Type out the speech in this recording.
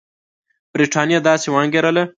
برټانیې داسې وانګېرله.